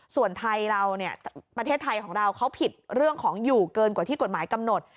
ส่วนไทยเราเนี่ยประเทศไทยของเราเขาผิดเรื่องของอยู่เกินกว่าที่กฎหมายกำหนด